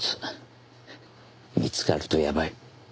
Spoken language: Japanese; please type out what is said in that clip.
見つかるとやばい。